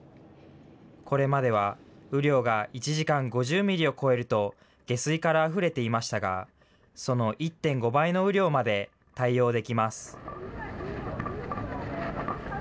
これまでは雨量が１時間５０ミリを超えると、下水からあふれていましたが、その１．５倍の雨量まで対応できます。